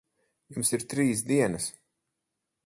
Jums ir trīs dienas.